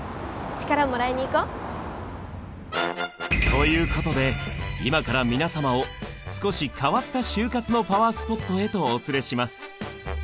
力もらいに行こう！ということで今から皆様を少し変わった就活のパワースポットへとお連れします。